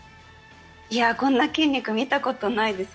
こんな筋肉見たことないですね。